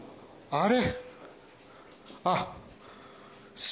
あれ？